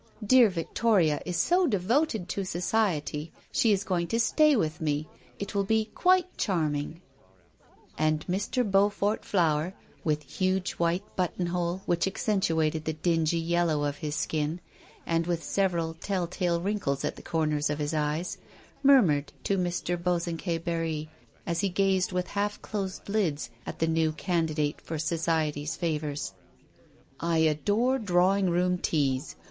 Dear Victoria is so devoted to society ; she is going to stay with me. It will be quite charming." And Mr. Beaufy Flower, with a huge white buttonhole which accentuated the dingy yellow of his skin, and with several tell tale wrinkles at the corner of his eyes, murmured to Mr. Bosanquet Barry as he gazed with half closed lids at the new candidate for society's favours :" I adore drawing room teas.